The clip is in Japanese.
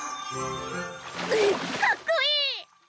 くっかっこいい！